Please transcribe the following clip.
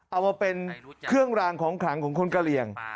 เอามาเป็นเครื่องรางของขลังของคนกะเหลี่ยง